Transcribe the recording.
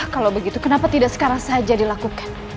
kalau begitu kenapa tidak sekarang saja dilakukan